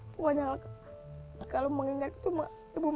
pokoknya kalau mau nginget tuh nggak bisa